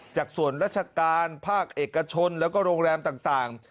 จากส่วนราชการภาคเอกชนแล้วก็โรงแรมต่าง